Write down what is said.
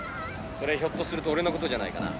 それひょっとすると俺のことじゃないかな？